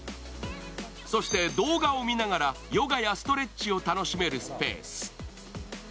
そして動画を見ながらヨガやストレッチを楽しめるスペース。